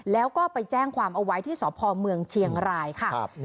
แล้วก็ไปแจ้งความเอาไว้ที่สพเมืองเชียงรายค่ะ